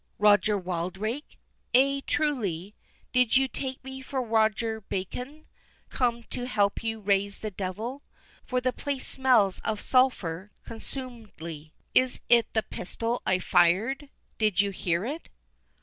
"Roger Wildrake? ay, truly. Did you take me for Roger Bacon, come to help you raise the devil?—for the place smells of sulphur consumedly." "It is the pistol I fired—Did you not hear it?"